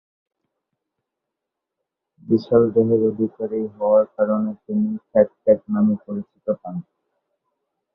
বিশাল দেহের অধিকারী হওয়ার কারণে তিনি ‘ফ্যাট ক্যাট’ নামে পরিচিতি পান।